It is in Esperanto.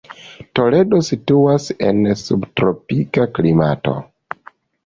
Toledo situas en subtropika klimato.